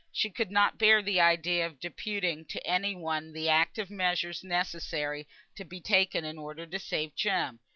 She could not bear the idea of deputing to any one the active measures necessary to be taken in order to save Jem.